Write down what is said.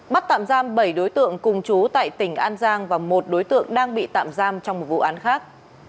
bắt tạm giam bảy đối tượng cùng chú tại tỉnh an giang và một đối tượng đang bị tạm giam trong một vụ án khác